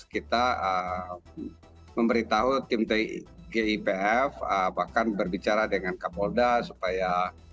kita memberitahu tim gipf bahkan berbicara dengan kapolda supaya